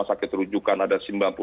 sakit terujukan ada sembilan puluh delapan